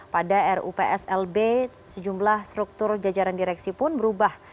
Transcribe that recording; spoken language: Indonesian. pada rupslb sejumlah struktur jajaran direksi pun berubah